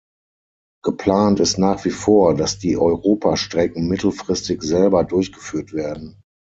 Geplant ist nach wie vor, dass die Europa-Strecken mittelfristig selber durchgeführt werden.